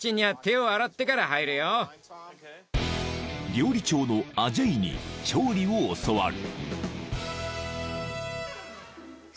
［料理長のアジェイに調理を教わる］